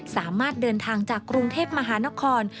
สามารถเดินทางจากกรุงเทพมหานคร